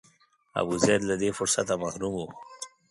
ابوزید له دې فرصته محروم و.